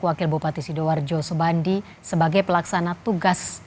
wakil bupati sidoarjo subandi sebagai pelaksana tugas